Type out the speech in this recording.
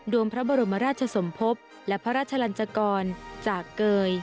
วงพระบรมราชสมภพและพระราชลันจกรจากเกย